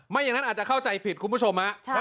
อย่างนั้นอาจจะเข้าใจผิดคุณผู้ชม